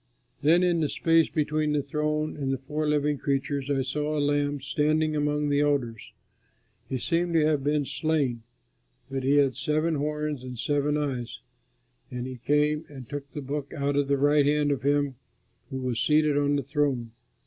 Then in the space between the throne and the four living creatures I saw a Lamb standing among the elders. He seemed to have been slain, but he had seven horns and seven eyes. And he came and took the book out of the right hand of him who was seated on the throne.